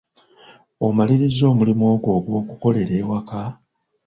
Omaliriza omulimu ogwo ogw'okukolera ewaka?